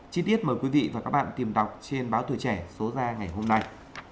chi tiết mời quý vị và các bạn tìm đọc trên báo tuổi trẻ số ra ngày hôm nay